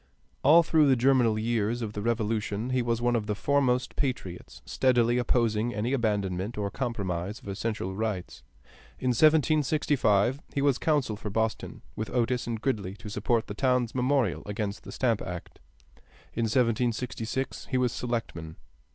All through the germinal years of the Revolution he was one of the foremost patriots, steadily opposing any abandonment or compromise of essential rights. In 1765 he was counsel for Boston with Otis and Gridley to support the town's memorial against the Stamp Act. In 1766 he was selectman.